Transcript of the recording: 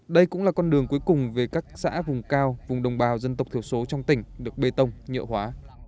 đây cũng là con đường cuối cùng về các xã vùng cao vùng đồng bào dân tộc thiểu số trong tỉnh được bê tông nhựa hóa